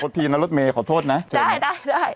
โทษทีนะรถเมขอโทษนะได้